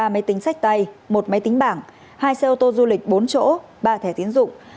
ba máy tính sách tay một máy tính bảng hai xe ô tô du lịch bốn chỗ ba thẻ tiến dụng